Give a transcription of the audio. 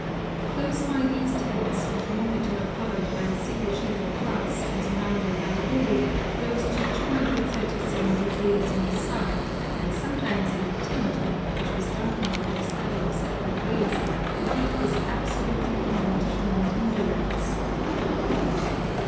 Close by these tents a thermometer covered by a single sheet of glass and surrounded by wool rose to 237° in the sun, and sometimes in the tent, which was dark ened for the study of separate rays, the heat was abso lutely beyond human endurance.